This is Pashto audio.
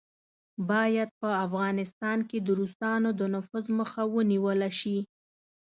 باید په افغانستان کې د روسانو د نفوذ مخه ونیوله شي.